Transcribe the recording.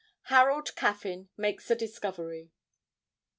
HAROLD CAFFYN MAKES A DISCOVERY.